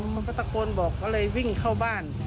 เขาก็ตะโกนบอกก็เลยวิ่งเข้าบ้าน